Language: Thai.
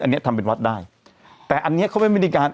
อันนี้ทำเป็นวัดได้แต่อันเนี้ยเขาไม่มีการ